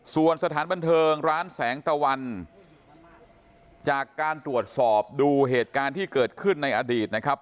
ส่วนสถานบันเทิงร้านแสงตะวันจากการตรวจสอบดูเหตุการณ์ที่เกิดขึ้นในอดีตนะครับ